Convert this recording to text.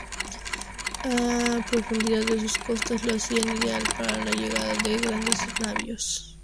La profundidad de sus costas lo hacían ideal para la llegada de grandes navíos.